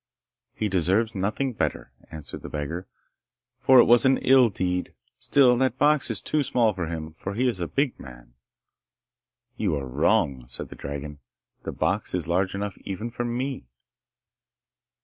'He deserves nothing better,' answered the beggar, 'for it was an ill deed. Still that box is too small for him, for he is a big man.' 'You are wrong,' said the dragon. 'The box is large enough even for me.